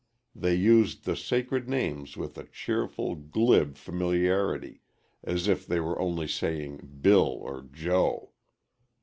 They used the sacred names with a cheerful, glib familiarity, as if they were only saying "Bill" or "Joe."